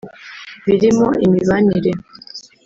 birimo imibanire